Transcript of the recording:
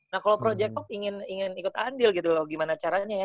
nah kalau project kok ingin ikut andil gitu loh gimana caranya ya